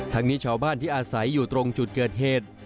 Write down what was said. นี้ชาวบ้านที่อาศัยอยู่ตรงจุดเกิดเหตุ